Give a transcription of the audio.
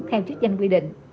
theo chức danh quy định